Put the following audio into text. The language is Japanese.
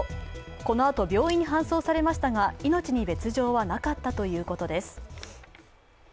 このあと病院に搬送されましたが命に別状はなかったということです。